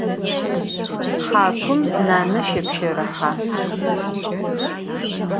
Hakum nane şepşerıhe.